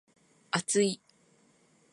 厚い